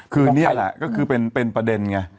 คือนี่แหละเป็นประเด็นไง